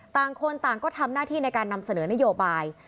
ต่างคนต่างก็ทำหน้าที่ในการนำเสนอนโยบาย